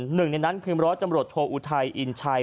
หนึ่งในนั้นคือร้อยจำรวจโทอุทัยอินชัย